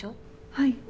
はい